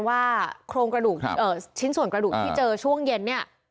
ว่าชิ้นส่วนกระดูกที่เจอช่วงเย็นนี่